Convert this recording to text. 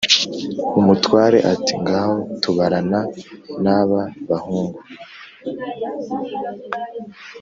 umutware ati"ngaho tabarana naba bahungu